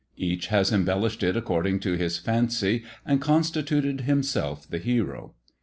Each ha^ embellished it according to his fancy, and con stituted himself the hero.